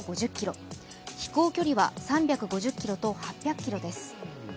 飛行距離は３５０ｋｍと８００ｋｍです。